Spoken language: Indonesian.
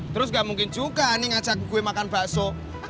terus gak mungkin juga ini ngajak gue makan bakso